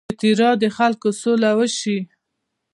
د تیرا د خلکو سوله وشي.